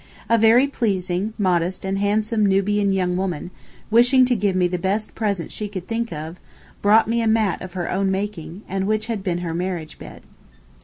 A very pleasing, modest and handsome Nubian young woman, wishing to give me the best present she could think of, brought me a mat of her own making, and which had been her marriage bed.